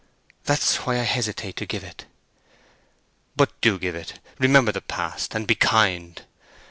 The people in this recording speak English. "That's why I hesitate to give it." "But do give it! Remember the past, and be kind."